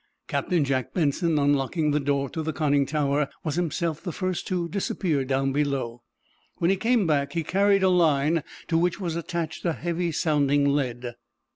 Captain Jack Benson unlocking the door to the conning tower, was himself the first to disappear down below. When he came back he carried a line to which was attached a heavy sounding lead.